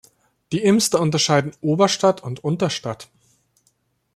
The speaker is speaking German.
Die Imster unterscheiden "Oberstadt" und "Unterstadt".